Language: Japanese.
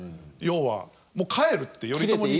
要はもう帰るって頼朝に。